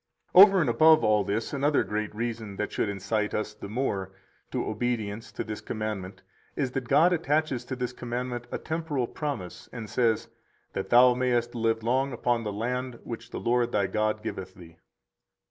131 Over and above all this, another great reason that should incite us the more [to obedience to this commandment] is that God attaches to this commandment a temporal promise and says: That thou mayest live long upon the land which the Lord, thy God, giveth thee.